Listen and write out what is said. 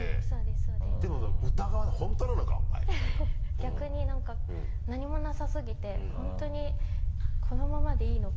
逆になんか何もなさすぎて本当にこのままでいいのか？